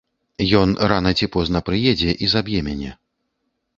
Ён рана ці позна прыедзе і заб'е мяне.